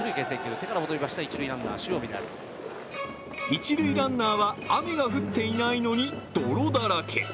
一塁ランナーは雨が降っていないのに泥だらけ。